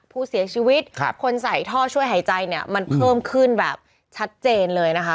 ผู้เสียชีวิตคนใส่ท่อช่วยหายใจเนี่ยมันเพิ่มขึ้นแบบชัดเจนเลยนะคะ